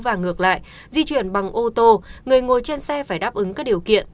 và ngược lại di chuyển bằng ô tô người ngồi trên xe phải đáp ứng các điều kiện